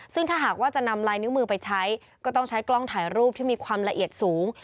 ซึ่งถ้าหากว่าจะนำลายนิ้วมือไปใช้ก็ต้องใช้กล้องถ่ายรูปที่มีความละเอียดสูง